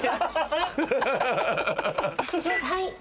はい。